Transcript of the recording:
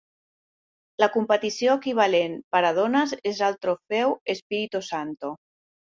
La competició equivalent per a dones és el Trofeu Espirito Santo.